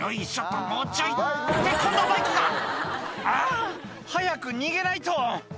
「あぁ早く逃げないと！」